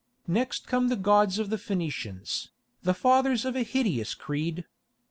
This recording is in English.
Next come the gods of the Phœnicians, the fathers of a hideous creed.